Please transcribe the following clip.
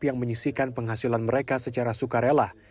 yang menyisikan penghasilan mereka secara sukarela